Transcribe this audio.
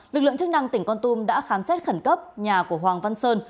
lực lượng chức năng tỉnh con tum đã khám xét khẩn cấp nhà của hoàng văn sơn